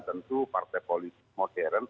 tentu partai politik modern